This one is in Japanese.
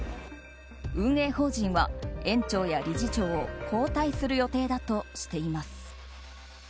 運営法人は園長や理事長を交代する予定だとしています。